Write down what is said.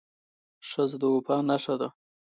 ښځه د وفا نښه ده.